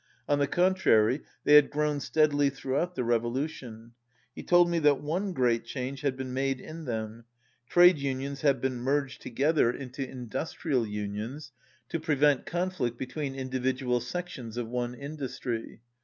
On the contrary, they had grown steadily throughout the revolution. He told me that one great change had been made in them. Trade unions have been merged together 175 into industrial unions, to prevent conflict between individual sections of one industry.